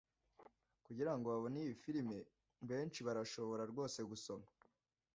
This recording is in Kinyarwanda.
kugirango babone iyi firime, benshi barashobora rwose gusoma